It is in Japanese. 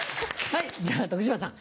はい。